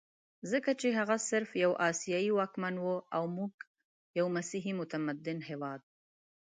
ځکه چې هغه صرف یو اسیایي واکمن وو او موږ یو مسیحي متمدن هېواد.